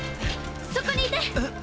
そこにいて！